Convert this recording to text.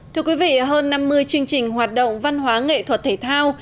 thưa quý vị hơn năm mươi chương trình hoạt động văn hóa nghệ thuật thể thao